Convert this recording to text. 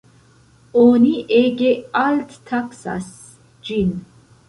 Oni ege alttaksas ĝin.